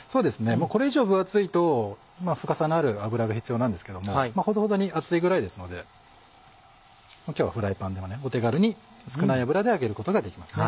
もうこれ以上分厚いと深さのある油が必要なんですけどもほどほどに厚いぐらいですので今日はフライパンでお手軽に少ない油で揚げることができます。